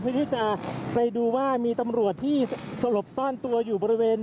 เพื่อที่จะไปดูว่ามีตำรวจที่สลบซ่อนตัวอยู่บริเวณ